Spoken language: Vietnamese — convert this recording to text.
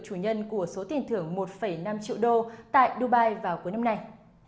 chủ nhân của số tiền thưởng một năm triệu đô tại dubai vào cuối năm nay